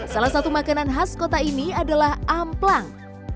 salah satu makanan khas kota ini adalah amplang